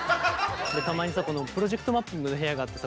たまにさプロジェクトマッピングの部屋があってさ